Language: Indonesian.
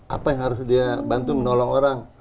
apa yang harus dia bantu menolong orang